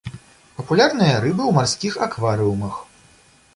Папулярныя рыбы ў марскіх акварыумах.